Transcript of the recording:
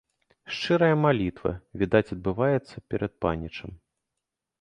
Шчырая малітва, відаць, адбываецца перад панічом.